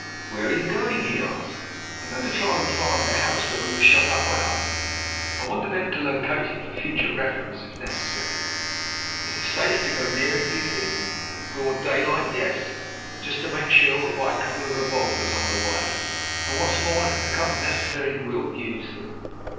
"Where are you going?" he asked. "I'm going to try and find the house where we were shut up," I answered. "I want to be able to locate it for future reference, if necessary." "Is it safe to go near it, do you think?" "In broad daylight, yes! But, just to make sure, we'll buy a couple of revolvers on the way. And, what's more, if it becomes necessary, we'll use them."